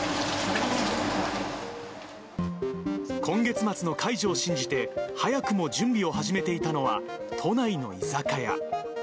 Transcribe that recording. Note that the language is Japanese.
今月末の解除を信じて、早くも準備を始めていたのは、都内の居酒屋。